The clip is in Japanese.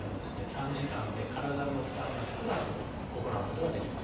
短時間で体の負担が少なく行うことができます。